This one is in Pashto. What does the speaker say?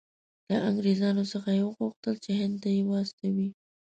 له انګریزانو څخه یې وغوښتل چې هند ته یې واستوي.